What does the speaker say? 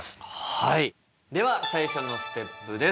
はいでは最初のステップです。